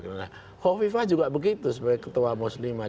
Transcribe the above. kofifah juga begitu sebagai ketua muslimah